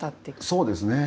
そうですね。